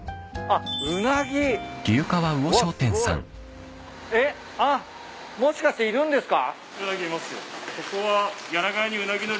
あっもしかしているんですか？